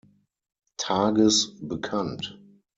Tages" bekannt.